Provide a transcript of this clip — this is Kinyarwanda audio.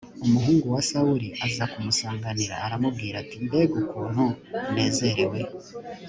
umuhungu wa sawuli aza kumusanganira aramubwira ati mbega ukuntu nezerewe